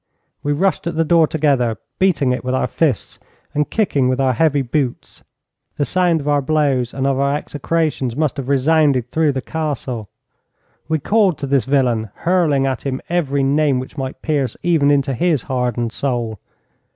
We rushed at the door together, beating it with our fists and kicking with our heavy boots. The sound of our blows and of our execrations must have resounded through the Castle. We called to this villain, hurling at him every name which might pierce even into his hardened soul.